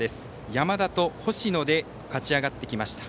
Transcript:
山田と星野で勝ち上がってきました。